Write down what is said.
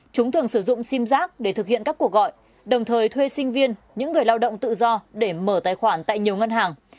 khác để thực hiện các cuộc gọi đồng thời thuê sinh viên những người lao động tự do để mở tài khoản tại nhiều ngân hàng